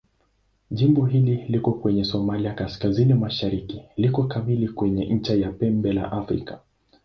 Jimbo hili liko kwenye Somalia kaskazini-mashariki liko kamili kwenye ncha ya Pembe la Afrika.